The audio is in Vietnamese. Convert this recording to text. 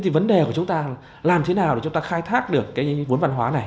vấn đề của chúng ta là làm thế nào để chúng ta khai thác được vốn văn hóa này